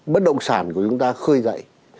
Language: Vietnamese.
bất động sản của chúng ta khơi dậy